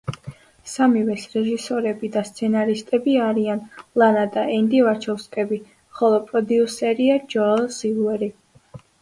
სამივეს რეჟისორები და სცენარისტები არიან ლანა და ენდი ვაჩოვსკები, ხოლო პროდიუსერია ჯოელ სილვერი.